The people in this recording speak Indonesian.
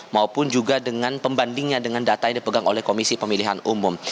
maupun juga dengan pembandingnya dengan data yang dipegang oleh komisi pemilihan umum